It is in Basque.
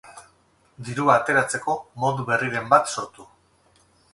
Dirua ateratzeko modu berriren bat sortu.